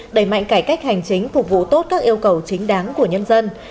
đẩy mạnh cải cách hành chính phục vụ tốt các yêu cầu chính đáng của nhân dân